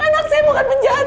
anak saya bukan penjahat